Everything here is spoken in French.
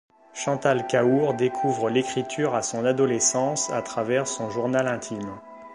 Chantal Cahour découvre l'écriture à son adolescence à travers son journal intime.